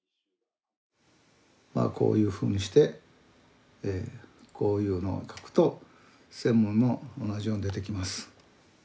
まあこういうふうにしてこういうのを書くと専務も同じように出てきます。